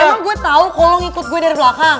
emang gue tau kalau lo ngikut gue dari belakang